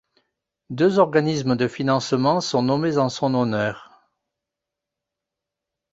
Deux organismes de financement sont nommés en son honneur.